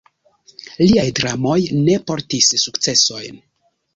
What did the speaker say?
Liaj dramoj ne portis sukcesojn.